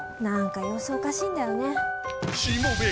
何か様子おかしいんだよね。